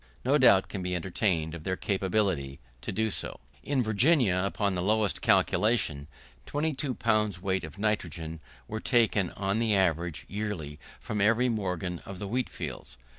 No doubt can be entertained of their capability to do so. In Virginia, upon the lowest calculation, 22 pounds weight of nitrogen were taken on the average, yearly, from every morgen of the wheat fields.